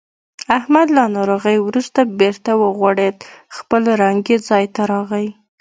احمد له ناروغۍ ورسته بېرته و غوړېدو. خپل رنګ یې ځای ته راغی.